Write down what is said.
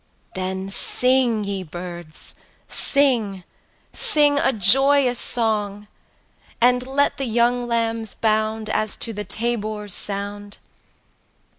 Then sing, ye birds, sing, sing a joyous song! And let the young lambs bound As to the tabor's sound!